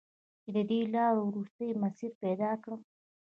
چې د دې لارو، وروستی مسیر پیدا کړم